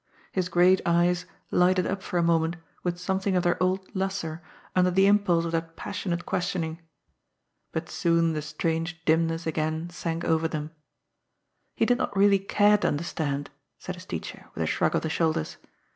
His great eyes lighted up for a moment with something of their old lustre under the impulse of that passionate questioning. But soon the ALTOGBTHER COMFORTABLE. 23 strange dimness again sank over them. *^ He did not really care to understand," said his teacher with a shmg of the shoulders.